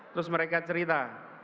terus mereka cerita